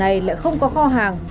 nhưng cơ sở này lại không có kho hàng